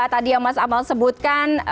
tadi yang mas amal sebutkan